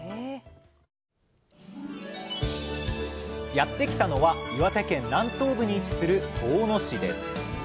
やって来たのは岩手県南東部に位置する遠野市です